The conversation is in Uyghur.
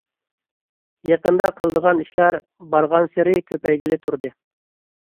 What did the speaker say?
يېقىندا قىلىدىغان ئىشلار بارغانسېرى كۆپەيگىلى تۇردى.